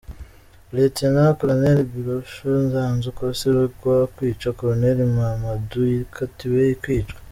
Lieutenant-colonel Birocho Nzanzu Kosi uregwa kwica Colonel Mamadou yakatiwe kwicwa.